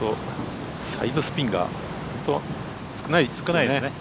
サイドスピンが本当少ないですね。